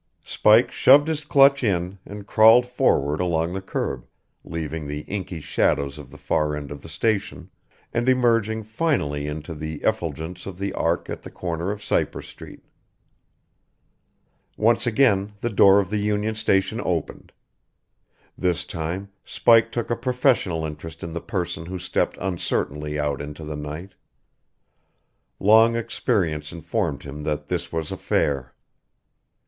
Spike shoved his clutch in and crawled forward along the curb, leaving the inky shadows of the far end of the station, and emerging finally into the effulgence of the arc at the corner of Cypress Street. Once again the door of the Union Station opened. This time Spike took a professional interest in the person who stepped uncertainly out into the night. Long experience informed him that this was a fare.